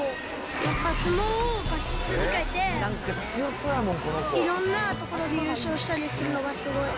やっぱ相撲を勝ち続けて、いろんなところで優勝したりするのがすごい。